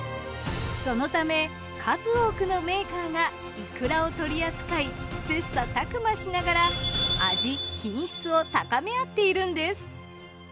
そのため数多くのメーカーがいくらを取り扱い切磋琢磨しながら味品質を高め合っているんです。